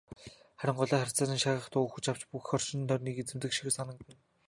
Харин голио царцааны шаагих дуу хүч авч бүх орчин тойрныг эзэмдэх шиг санагдана.